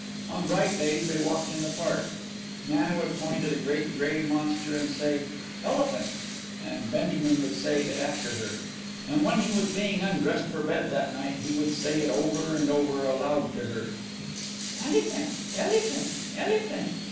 On bright days they walked in the park; Nana would point at a great gray monster and say "elephant," and Benjamin would say it after her, and when he was being undressed for bed that night he would say it over and over aloud to her: "Elyphant, elyphant, elyphant."